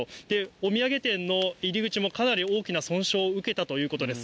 お土産店の入り口もかなり大きな損傷を受けたということです。